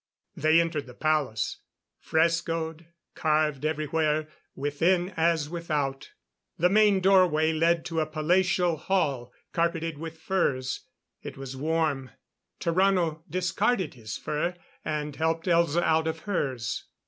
They entered the palace. Frescoed; carved everywhere, within as without. The main doorway led into a palatial hall, carpeted with furs. It was warm. Tarrano discarded his fur, and helped Elza out of hers.